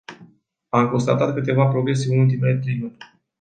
Am constatat câteva progrese în ultimele trei luni.